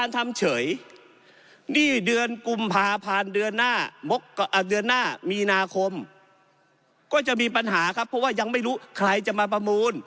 เป็นปัญหาครับเพราะว่ายังไม่รู้ใครจะมาประมูล